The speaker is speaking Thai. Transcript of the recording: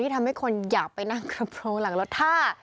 ที่ทำให้คนอยากไปนั่งกระโพรงหลังรถ